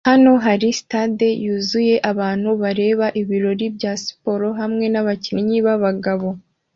Hano hari stade yuzuye abantu bareba ibirori bya siporo hamwe nabakinnyi babagabo